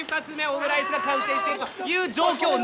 ２つ目オムライスが完成しているという状況。